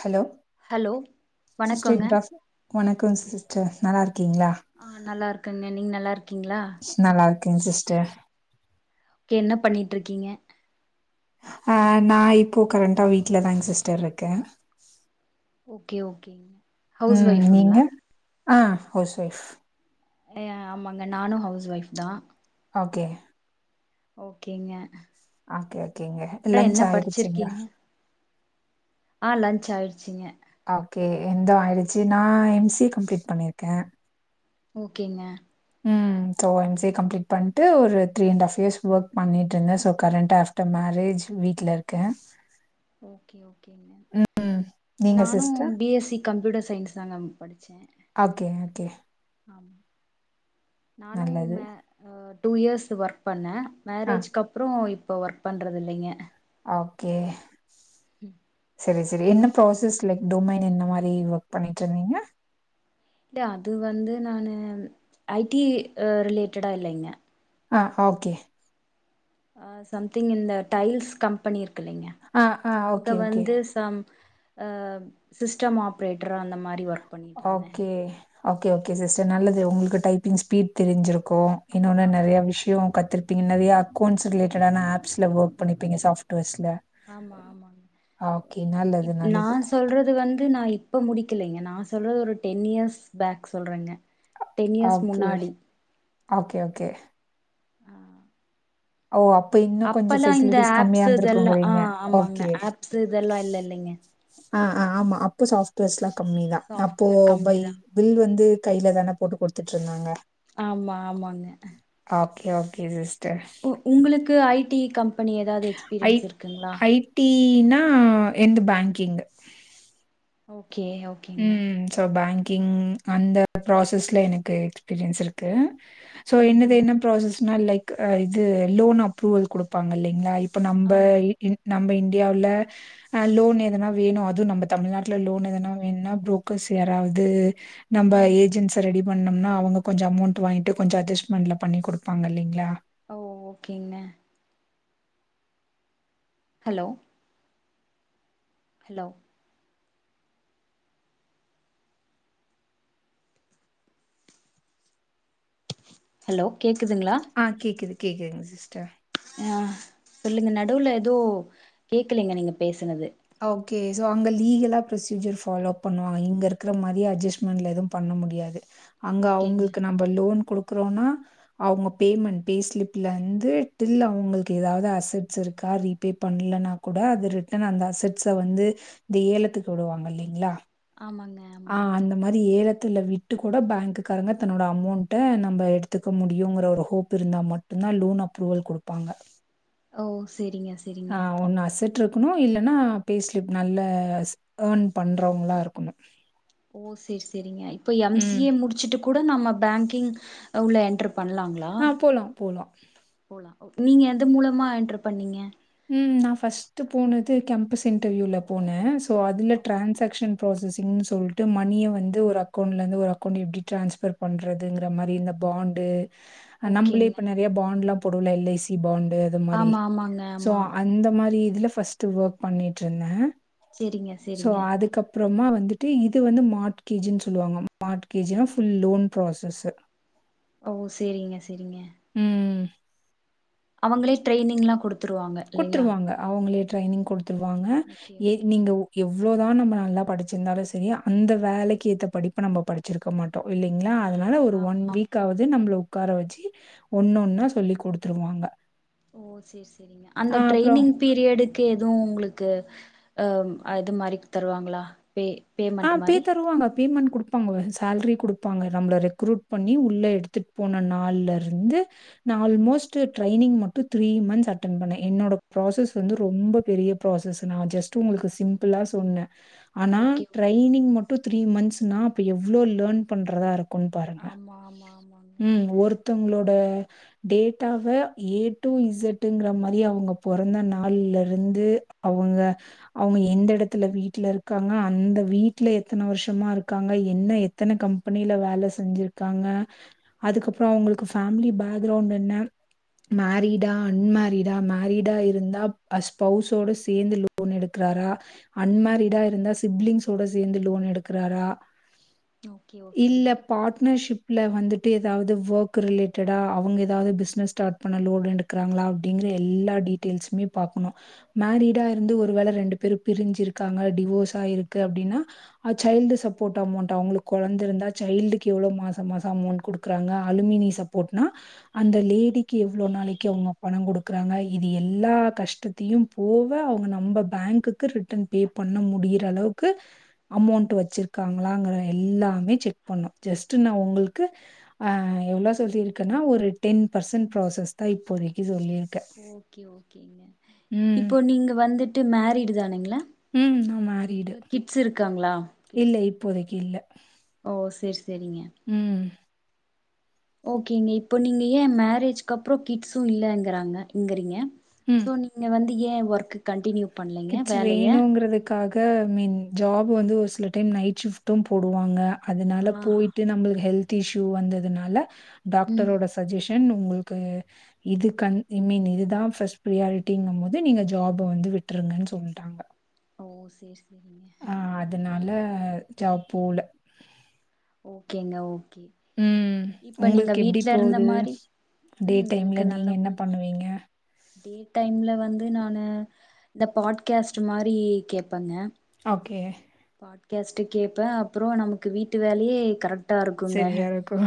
Hello hello sister வணக்கங்க குடாப் வணக்கோ சிஸ்டர் நல்லாருக் ஆ நல்லாருக்கங்க நீங்க நல்லாருக் நல்லா இருக்கே சிஸ்டர் என்ன பண்ணிட்ருக்கீங்க ஆ நா இப்போ கரெட்டா வீட்ல தாங்க சிஸ்டர் இருக்கே ஓகே ஓகேங் ஹவுஸ் ம் நீங்க ஒய்ஃப்ங்ளா ஆ ஹவுஸ் ஒய்ஃப் ஏ ஆமாங்க நானு ஹவுஸ் ஒய்ஃப் தா ஓகே ஓகேங்க ஓகே அப்புறோ லன்ச் என்ன ஆயிடுச்சுங்க படிச்சிருக்கீங்க ஆ லன்ச் ஆயிடுச்சிங்க ஆ ஓகே இந்தோ ஆயிடுச்சு நா எம் சி கம்ப்ளீட் பண்ணிற்கே ஓகேங்க ம் so M C A complete பண்ட்டு ஒரு three and half years work பண்ணிட்ருந்தே சோ கரண்ட்டா ஆஃப்டர் மேரேஜ் வீட்ல இருக்கே ஓகே ஓகேங்க ம் நீங்க நானு sister B S C computer science தாங்க படிச்சே ஓகே ஓகே ஆமா நானு நல்லது மே அ டூ இயர்ஸ் ஒர்க் பண்ணே ஆ மேரேஜ்க் கப்ரோ இப் இப்போ ஒர்க் பண்றதில்லைங்க ஓகே செரி செரி என்ன ப்ராசெஸ்ல டொமைன் என்ன மாரி ஒர்க் பண்ணிட்ருந்தீங்க இல்லயா அது வந்து நானு ஐ டி அ ரிலேட்டடா இல்லைங்க ஆ ஓகே ஆ சம்திங் இந்த டைல்ஸ் கம்பனி இருக் கு இல்லைங்க ஆ, ஆ அங்க ஓகே, ஓகே. வந்து சம் ஆ சிஸ்டம் ஆப்ரேட்டிரா அந்த மாரி ஒர்க் பண்ணிட்ருந்தே ஓகே. ஓகே ஓகே சிஸ்டர் நல்லது உங்களுக்கு டைப்பிங் ஸ்பீட் தெரிஞ்சிருக்கு இன்னொன்னு ஆமா நெறைய விஷ்யோ கத்திருப்பீங்க நெறைய அக்கவுண்ட்ஸ் ரிலேட்டடான ஆப்ஸ்ல ஒர்க் பண்ணிருப்பீங்க சாப்ட்வேர்ஸ் ஆமா ஆமா நல்லது, இப் நா நல்லது. சொல்றது வந்து நா இப் இப்ப முடிக்கலைங்க நா சொல்றது ஒரு டென் இயர்ஸ் பேக் சொல்றேங்க டென் இயர்ஸ் ஓகே முன்னாடி ஓகே ஓகே ஆ ஓ அப்ப இன்னு கொஞ்ச அப்பல்லா இந்த ஃபெசிலிட்டிஸ் கம்மியா ஆப்ஸ் இதெல்லா ஆ இருந்திருக்குங்குறீங்க ஆமாங்க ஓகே ஆப்ஸ் இதெல்லா இல்ல இல்லைங்க ஆ ஆ ஆமா அப்போ சாஃப்ட்வேர்ஸ்லா கம்மி தா அப்போ சாஃப்ட்வேர் பை கம்மிதா பில் வந்து கைல தான போட்டு குடுத்துட்ருந்தாங்க ஆமா ஆமாங்க கே ஓகே சிஸ் உ உங்களுக்கு ஐ டி கம்பனி ஏதாவது எக்ஸ்பீரியன்ஸ் இருக்குங்களா ஈன்னா எந்து பேங்கிங்கு ஓகே ஓகேங்க ம் சோ பேங்கிங் அந்த ப்ராசஸ்ல எனக்கு எக்ஸ்பீரியன்ஸ் இருக்கு சோ ம் என்னது ம் என்ன ப்ராசஸ்னா லைக் இது லோன் அப்ரூவல் குடுப்பாங்க இல்லைங்களா இ ப நம்ப நம்ப ஆமா இ இ நம்ப இன்டியாவ்ல அ லோன் ஏதுனா வேணு அதுவு நம்ப தமிழ்நாட்ல லோன் ஏதுனா வேணுன்னா புரோக்கர்ஸ் யாராவது நம்ம ம் ஏஜென்ஸ்ச ரெடி பண்ணோம்னா அவங்க கொஞ்சொ அமௌண்ட் வாங்கிட்டு கொஞ்சொ அட்ஜஸ்மெண்ட்ல பண்ணி குடுப்பாங்க இல்லிங்களா ஓ ஓகேங்ன ஹலோ ஹலோ ஹலோ கேக்குதுங்களா ஆ கேக்குது கேக்குதுங்க சிஸ்டர் ஆ சொல்லுங்க நடுவுல எதோ கேக்கலைங்க நீங்க பேசுனது ஓகே சோ அங்க லீகலா ப்ரொசீஜர் ஃபாலோ பண்ணுவாங்க இங்க இருக்குற மாரி அட்ஜஸ்ட்மெண்ட்ல எதுவு பண்ண முடியாது அங்க ஓகேங்க அவங்களுக்கு நம்ப லோன் குடுக்குறோன்னா அவங்க பேமெண்ட் பே ஸ்லிப்ல இருந்து டில் அவங்களுக்கு எதாது அசஸ்ட்ஸ் இ ருக்கா ரீபே பண்லன்னா கூட அது ரிட்டர்ன் அந்த அஸ் ஸட்ஸ வந்து இந்த ஏலத்துக்கு விடுவாங்க இல்லைங்களா ஆமாங்க ஆ ஆமா அந்த மாரி ஏலத் துல விட்டு கூட பேங்க்குக்காரங்க தன்னோட அமௌண்ட நம்ப எடுத்துக்க முடியுங்கிற ஒரு ஹோப்பக்ஷ இருந்தா மட்டுந் தா லோன் அப்ரூவல் குடுப்பாங்க ஓ சேரிங்க செரிங்க ட்ருக்குணு இல்லனா பே ஸ்லிப் நல்ல ஏர்ன் பண்றவங்களா இருக்கணு ஓ சேரி செரிங்க யிப்ப எம் சி ஏ முடிச்சுட்டு கூட நம்ம பேங்கிங் உள்ள என்டர் பண்லாங்களா ஆ போலாம், போலாம். போலா நீங்க எது மூலமா என்ட்ரு பண்ணீங்க ம் நா ஃபர்ஸ்ட்டு போனது கெபஸ் இன்டர்வியூல போனே சோ அதுல டிரான்சாக்ஷன் ப்ராசஸிங்னு சொல்ட்டு மணிய வந்து ஒரு அக்கௌண்ட்லருந்து ஒரு அக்கவுண்ட் யெப்டி ட்ரன்ஸ்பர் பண்றதுங்காற மாரி இந்த பாண்டு் நம்பளே ஓகேங்க இப்ப நெறைய பாண்ட்லா போடுவோல எல் ஐ சி பாண் ஆமா ஆமாங்க சோ ஆமா அந்த மாரி இதுல ஃபர்ஸ்ட்டு ஒர்க் பண்ணிட்டுருந்தே செரிங்க செரிங்க அப்புறமா வந்துட்டு இது வந்து மார்ட்கேஜுன் சொல்லுவாங்க மார்ட் கேஜுனா ஃபுல் லோன் ப்ராசஸு ஓ சேரிங்க சேரிங்க ம் ம் அவங்களே ட்ரைனிங்லா குடுப் குடாத்துருவாங்க அவங்களே ட்ரைய்னிங் குடுத்துருவாங்க ஓகே ஏ ஓகே நீங்க உ எவு எவ்ளோதா நம்ம நல்லா படிச்சிருந்தாலு செரி அந்த வேலைக்கு ஏத்தபடிப்பு நம்ப படிச்சிருக்கமாட்டோ இல்லீங்களா அதனால ஒரு ஒன் ஆமா வீக்காவது நம்மள உக்கார வச்சு ஒண்ணொன்னா சொல்லி குடுத்துருவாங்க ஓ சேரி செரிங்க அந்த அ அப்புறம் ட்ரெய்னிங் பீரியடுக் கு எதுவு உங்ளுக்கு அஹ் அது மாரி தருவாங்ளா பே ஆ பேமெண்ட் பே மாரி தருவாங்க. பேமெண்ட் குடுப்பாங்க சேல்ரி குடுப்பாங்க நம்மள ரெக்ரூட் பண்ணி உள்ளயெடுத்துட்டு போன நாள்லருந்து து நா ஆல்மோஸ்ட் ட்ரைனிங் மட்டு த்ரீ மந்தஸ் அட்டன் பண்னே என்னோட ப்ராசஸ் வந்து ரொம்ப பெரி பெரிய ப்ராசஸ் நா ஜெஸ்ட் உங்களுக்கு சிம்பிளா சொன்னே ஓகே ட்ரைனிங் மட்டு த்ரீ மந்த்ஸ்னா அப்ப எவ்ளோ லேன் பண்றதாருக் கு பாருங்க ஆமா ஆமா ஆமாங்க ம் ஒருத்தங்களோட டேட்டாவ ஏ டூ இசட்டுங்கிற மாரி அவங்க பொறந்த நாள்லருந்து அவங்க அவங்க எந்த எடத்துல வீட்லருக்காங்க அந்த வீட்ல எத்தன வருஷமாருக்காங்க என்ன எத்தன கம்பெனில வேல செஞ்சிருக்காங்க அ அதுக்கப்றோ அவங்களுக்கு பேமிலி பேக்ரவுண்ட் என்ன மேரிடா அன்மேரிடா மேரிடா இருந்தா அஸ்பவுஸோட சேந்து லோன் எடுக்ற தரா ம் அன்மேரிடா இருந்தா சிப்லிங்ஸ்சோட சேந்து லோன் எடுக்றாரா ஓகே இல்ல ஓகேங்க பாட்னர்ஷிப் ல்ல வந்துட்டு ஏதாவது ஓக் ரிலேட்டடா அவங்க ஏதாவது பிசினஸ் ஸ்டாட் பண்ண லோன் எடுக்காங்களா அப்டிங் எல்லா டீடெயில்சுமே பாக்கணு மேரிடா இருந்து ஒரு வேள ரெண்டு பேரு பிரிஞ்சிருக்காங்க டிவோஸ இருக் அப்டினா அ சைல்டு சப்போட் அமௌண்ட் அவளுக்கு கொழந்த இருந்தா சைல்டுக்கு எவ்ளோ மாசம் மாசம் அமௌண்ட் குடுக் குடுக்குறாங்க அலுமினி சப்போட்னா அந்த லேடிக்கு எவ்ளோ நாளைக்கி அவங்க பணம் குடுக்குறாங்க இது எ எல்லா கஷ்டத்தையு போக அவுங்க நம்ம பேங்க்குக்கு ரிட்டன் பே பண்ண முடியிற அளவுக் கு அமௌண்ட் வச்சிருக்காங்களாங்கற எல்லாமே செக் பண்ணு ஜெஸ்ட் நா உங்ளுக்கு ஆஹ் எவ்ளோ சொல்லிருக்கனா ஒரு டென் பர்சன்ட் ப்ராசஸ் தா இப்போதைக்கு சொல்லியி ஓகே ஓகேங்க ம். இப்போ நீங்க வந்துட்டு மேரிடு தானுங்களா நா மேரிடு ச்சு இருக்காங்களா இல்ல கிட்ஸ் இப்போதைக்கு இல்ல ஓ சேரி சேரிங்க ம். ஓகேங்க இப்போ நீங்க ஏன் மேரேஜ் அப்றோ கிட்சு இல்லங்கறாங்க இங்கிறீங்க ம். சோ நீங்க வந்து ஏ ஒர்க் கண்டினியூ கிட்ஸ் வேணுங்கிறதுக்காக மீன் ஜாப் வந்து ஒரு சில டைம் நைட் ஷிப்டும் போடுவாங்க அதனால ஆஹா. போயிட்டு நம்ளு ஹெல்த் த்து இஷூ வந்ததுனால ம். டாக்டரோட சஜெஷ் [unintelligible] உங்களுக்கு இது கன் ஐ மீன் இதுதா பஸ்ட் பிரியாரிட்டிங்கும் போது நீங்க ஜாப் வந்து விட் றுங்கன்னு சொல்டாங்க ஓ சேரிஸ் ஆஹ் அதனால ஜாப் போல ஓகேங்க ஓகே ம் இப்ப நீங்க உங்களுக்கு எப்டி வீட்ல இருந்த போது மாரி டே ம் டைம்ல எனக்கு நீங்க நல்லா என்ன போயிட்டுருக்கு. பண்ணுவீங்க டே டைம்ல வந்து நானு இந்த பாட்கேஸ்ட் மாரி கேப்பங்க ஓகே பாட்கேஸ்டு கேப்பே அப்றோ நமக்கு வீட்டு வேலையே கரெக்ட் டா இருக்குங்க சரியா இருக்கு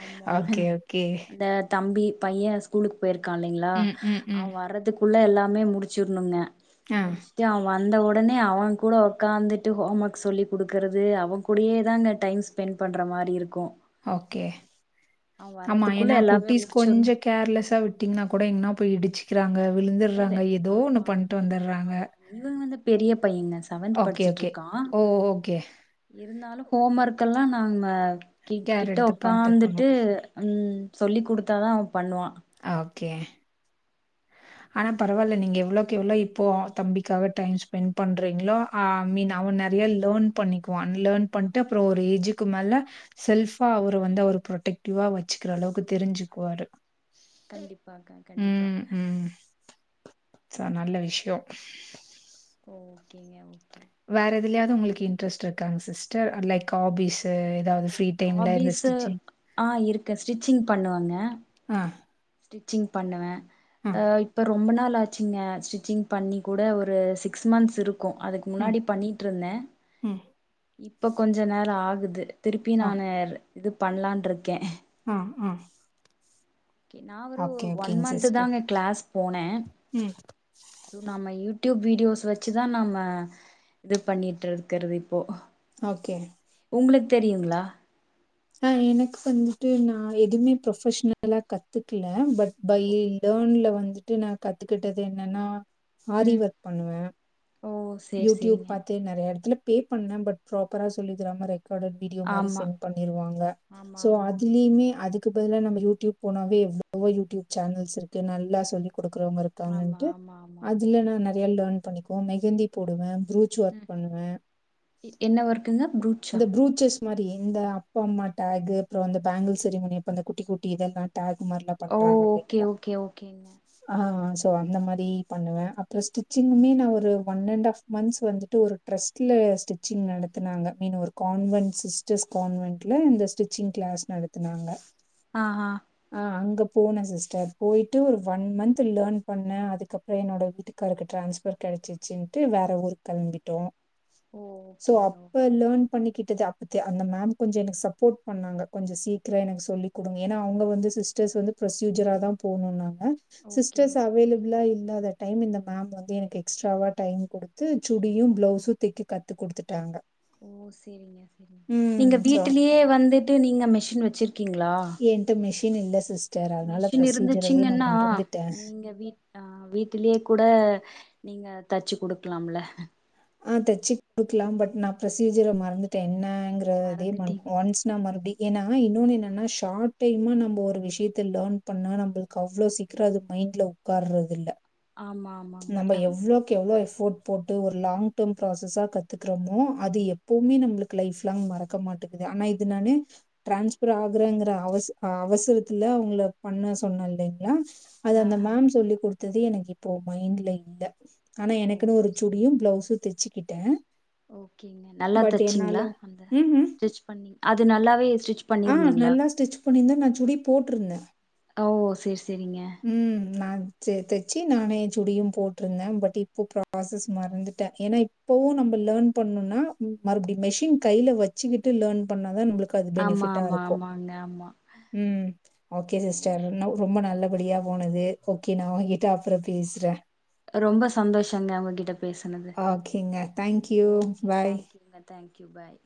ஆமா ஓகே ஓகே அந்த தம்பி பைய ஸ்கூலுக்கு போயிருக்கா இல்லைங்களா ம் ம் அவ ம் வரதுக்குள்ள எல்லாமே முடிச்சிருணுங்க ஆ முடிச்சுட்டு அவ வந்த உடனே அவன் கூட உக்காந்துட் டு ஹோம் ஒர்க் சொல்லி குடுக்குறது அவங்க கூடயே தா அங்க டைம் ஸ்பெண்ட் பண்ற மாரி இருக்கு ஓகே அவ ஆமா வர்றதுக்குள்ள ஏன்னா எல்லாமே குட்டிஸ் முடிச்சிடணு கொஞ்சம் கேர்லெஸ்ஸா விட்டீங்கன்னா கூட எங்கனா போய் இடிச்சுக்கிறாங்க இல்ல விழுந்துறாங்க ஏதோ ஒண்ணு ஆமா பண்ணிட்டு வந்துறாங்க இப்ப பையன் செவன்த் படிச்சட்டு இருக்கான் ஓ ஓகே இ இருந்தாலும் ஹோம் ஒர்க்கெல்லாம் நாம கிட் கேர் கிட்ட எடுத்து பாத்துக்கணு உக்காந்துட்டு சொல்லி் குடுத்தாதான் அவன் பண்ணுவான் ஓகே ஆனா பரவாயில்ல நீங்க எவ்ளோக்கு எவ்ளோ இப்போ தம்பிக்காக டைம் ஸ்பெண்ட் பண்றீங்களோ அமீன் அவன நிறைய லன் பண்ணிக்குவான் லன் பண்ணிட்டு அப்புறம் ஒரு ஏஜுக்கு மேல செல்பா அவர் வந்து அவர் டக்டிவா வச்சுக்கிற அளவுக்கு தெரிஞ்சுக்குவாரு கண்டிப்பாக்கா கண்டிப்பா ம் ம் ச நல்ல விஷயம் ஓகேங்க ஓ வேற எதுலாவது உங்களுக்கு இன்ட்ரெஸ்ட் இருக்காங்க சிஸ்டர் லைக் ஹாபிஸ் ஏதாவது ஃப்ரீ டைம்ல இந்த ஹாபீஸ் ஸ்டிச்சிங் ஆஹ் இருக்க ஸ்டிச்சிங் பண்ணுவாங்க ஆ ஸ்டிச்சிங் பண்ணுவேன் ஆ இப்ப ரொம்ப நாள் ஆச்சுங்க ஸ்டிச்சிங் பண்ணி கூட ஒரு சிக்ஸ் மந்த்ஸ் இருக்கும் க்கும் அதுக்கு ம் முன்னாடி பண்ணிட்டு இருந்தேன் ம் இப்ப கொஞ்ச நேரம் ஆகுது திருப்பி நானு இது பண்ணலான் இருக்கேன் ஆஹ் ஆஹ் நா ஒரு ஒன் மந்த்த் சிஸ்டர் தான்ங்க கிளாஸ் போனே ம் சோ நாம டியூப் வீடியோஸ் வச்சுதான் நாம இது பண்ணிட்டு இருக்குறது இப்போ ஓகே உங்களுக்கு தெரியுங்களா ஆஹ் எனக்கு வந்துட்டு நா எதுவுமே ப்ரொபஷனலா கத்துக்கல பட் பை ஓகே லேர்ன்ல வந்துட்டு நா கத்துக்கிட்டது என்னன்னா ஆரி ம் ஒர்க் பண்ணுவே ஓ சேரி யூடியூப் சேரிங்க பாத்து நிறைய இடத்துல பே பண்ணேன் பட் ப்ராப்பரா சொல்லி தர்ற மாரி கட வீடியோ மாதிரி ஆமா சென்ட் பண்ணிருவாங்க ஆமா ஸோ ஆமாங்க அதுலயுமே அதுக் அதுக்கு பதிலா நம்ம யூடியூப் போனாவே எவ்வளவோ யூடியூப் சேனல்ஸ் இருக்கு நல்லா சொல்லி குடுக்குறவங்க ஆமா இருக்காங்கன்ட்டு ஆமா ஆமாங்க அதுல நான் நிறைய லேர்ன் பண்ணிக்குவோம் மெஹந்தி போடுவேன் ப்ரூச் ஒர்க் ம் பண்ணுவேன் எ- என்ன ஒர்க்குங்க ப்ரூட்ஷா இந்த ப்ரூச்சஸ் இது மாதிரி இந்த அப்பா அம்மா டேக்கு அப்புறம் அந்த பேங்கிள் செரிமனி அப்ப அந்த குட்டி குட்டி இதெல்லாம் டேக்குமாரில்லாம் ஓ பண்றாங்கல்ல ஓகே இப்ப ஓகே ஓகேங்க ஆஹ் ஸோ அந்த மாதிரி பண்ணுவே அப்புறம் ஸ்டிச்சிங்குமே நா ஒரு ஒன் அண்ட் ஆஃப் மந்த்ஸ் வந்துட்டு ஒரு ட்ரெஸ்ல ஸ்டிச்சிங் நடத்தினாங்க இன்னு ஒரு கான்வென்ட் சிஸ்டர்ஸ் கான்வென்ட்ல இந்த ஸ்டிச்சிங் கிளாஸ் நடத்துனாங்க ஆ ஆ ஆஹ் அங்க போன சிஸ்டர் போயிட்டு ஒரு ஒன் மந்த் லேர்ன் பண்ணே அதுக்கப்புறம் என்னோட வீட்டுக்காருக்கு டிரான்ஸ்பர் கிடை ச்சிச்சுன்ட்டு வேற ஊருக் கிளம்பிட்டோம் ஓ ஓகேங்க ஓகே ம் பண்ணிக்கிட்டது அப்பத்த அந்த மேம் கொஞ்சம் எனக்கு சப்போர்ட் பண்ணாங்க கொஞ்சம் சீக்கிரம் எனக்கு சொல்லி குடுங்க ஏன்னா அவுங்க வந்து வந்து சிஸ்டர்ஸ் வந்து ப்ரொசீஜரா தான் போணும்னாங்க சிஸ்டர்ஸ் ஓகேங்க அவாயிலபிளா இல் இல்லாத டைம் இந்த மேம் வந்து எனக்கு எக்ஸ்ட்ராவா டைம் கொடுத்து சுடியும் ப்ளவுஸும் தைக்கி கத்து கொடுத்துட்டாங்க ஓ சேரிங்க சேரிங்க நீங்க சோ, வீட்டுலயே வந்துட்டு நீங்க மெஷின் வச்சிரு இருக்கீங்களா மிஷின் இல்ல சிஸ்டர் அதனால மிஷின் ப்ரொசீஜரவே நான் இருந்துச்சிங்கன்னா மறந்துட்டேன். நீங்க வீட் அஹ் வீட்டுலேயே கூட நீங்க தச்சு குடுக்கலாம்ல ஆஹ் தச்சு கொடுக்கலாம் பட் நா ப்ரொசீஜர மறந்துட்டேன் என்னங்கற இதே மறந்துட்டீங்க ஒன்ஸ்ன மறுபடி ஏன்னா இன்னொன்னு என்னன்னா ஷார்ட் டைம் நம்ம ஒரு விஷயத்த லேர்ன் பண்ணா நம்மளுக்கு அவ்ளோ சீக்கிரம் அது வீட்ல உட்கார்றது இல்ல ஆமா ஆமாங்க நம்போ ஆமா எவ்ளோக்கு எவ்ளோ எஃபோர்ட் போட்டு ஒரு லாங் டைம் ப்ராசஸா கத்துக்குறோமோ அது எப்பவுமே நம்மளுக்கு லைஃப் லாங் மறக்க மாட் டுக்குது ஆனா இது நானு டிரான்ஸ்பர் ஆகுறங்கற அசஸ் அவசரத்து அவுங்கள பண்ண சொன்ன சொன்னோ இல்லைங்களா அது அந்த ஆஹா மேம் சொல்லி குடுத்தது எனக்கு இப்போ மைண்ட்ல இல்ல ஆனா ஓ எனக்குன்னு ஒரு சேரி சேரி சுடியும் பிளவுஸும் தெச்சிக்கிட்டே ஓகேங்க நல்லா தச்சிங்களா அந்த ம்ஹ்ம். ஸ்டிச் பண்ணி அது நல்லாவே ஸ்டிச் ஆ பண்ணிருந்தீங்களா நல்லா ஸ்டிச் பண்ணிந்த நா சுடி போட்டிருந்தே ஓ ஓ சேரி சேரிங்க சேர் தெச்சி நானே சுடியும் போட்டிருந்தே பட் இப்ப ப்ராசஸ் மறந்துட்டே ஏன்னா இப்பவு நம்ம லேர்ன் பண்ணும்னா மறுபடி மெஷின் கையில வெச்சிக்கிட்டு லேர்ன் பண்ணாதா நம்மளுக் க்கு அது ஆமா பெனிபிட்டா ஆமா இருக்கு ஆமாங்க ஆமா ஓகே ஓ! சிஸ்டர் நவ் ரொம்ப நல்ல படியா போனது ஓகே நா உகிட்ட அப்றோ பேசுறே ரொம்ப சந்தோஷங்க உங்ககிட்ட பேசுனது ஓகேங்க தேங்க்யூ பாய் தேங்க்யூங்க ஓகே தேங்க்யூ பாய்